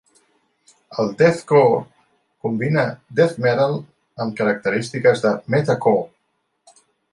El deathcore combina death metal amb característiques de metacore.